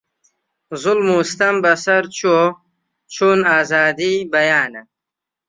زوڵم و ستەم بە سەر چۆ چوون ئازادی بەیانە